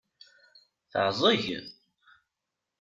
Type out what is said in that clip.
Teɛẓeg?